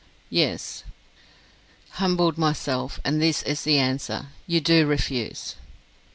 "Yes." "Humbled myself! And this is the answer! You do refuse?"